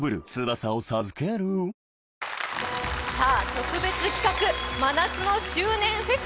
特別企画、真夏の周年フェス。